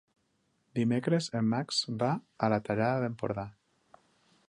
Dimecres en Max va a la Tallada d'Empordà.